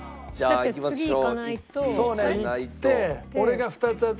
いきましょう。